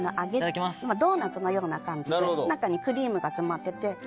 ドーナツのような感じで中にクリームが詰まっていて。